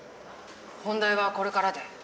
本題はこれからで。